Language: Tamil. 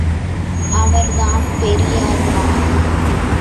அவர்தாம் பெரியார் பார்!